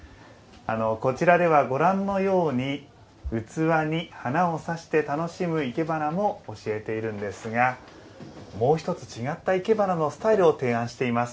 こちらでは、ご覧のように器に花を挿して楽しむ、いけばなも教えているんですがもう１つ、違ったいけばなのスタイルを提案しています。